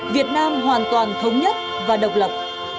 việt nam hoàn toàn thống nhất và độc lập